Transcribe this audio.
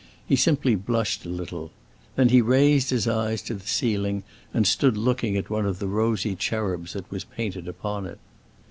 He simply blushed a little. Then he raised his eyes to the ceiling and stood looking at one of the rosy cherubs that was painted upon it.